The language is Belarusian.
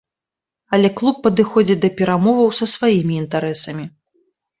Але клуб падыходзіць да перамоваў са сваімі інтарэсамі.